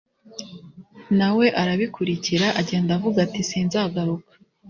na we arabikurikira agenda avuga ati:sinzagaruka